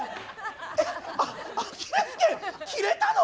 ⁉あアキレス腱切れたの⁉